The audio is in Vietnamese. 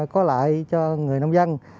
có lợi cho người nông dân